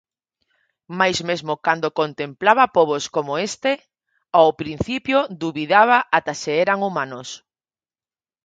Mais mesmo cando contemplaba pobos coma este, ao principio dubidaba ata se eran humanos.